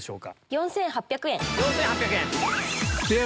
４８００円。